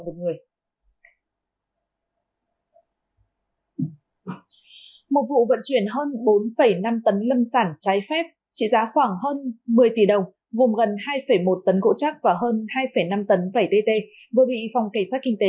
một vụ vận chuyển hơn bốn năm tấn lâm sản trái phép trị giá khoảng hơn một mươi tỷ đồng gồm gần hai một tấn gỗ chắc và hơn hai năm tấn vẩy tê tê